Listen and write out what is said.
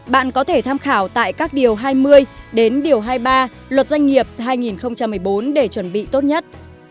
bạn có thể tham khảo tại các điều hai mươi đến điều hai mươi ba luật doanh nghiệp hai nghìn một mươi bốn để chuẩn bị tốt nhất